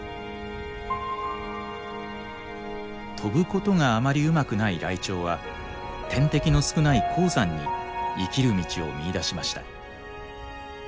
飛ぶことがあまりうまくないライチョウは天敵の少ない高山に生きる道を見いだしました。